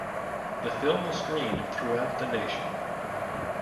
The film was screened throughout the nation.